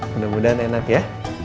mudah mudahan enak ya